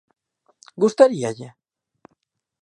Gustaríalle?